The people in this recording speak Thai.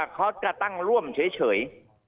เขาจะตั้งร่วมเฉย